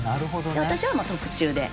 私はもう特注で。